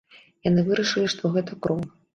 Яны вырашылі, што гэта кроў.